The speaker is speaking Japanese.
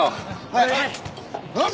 はい。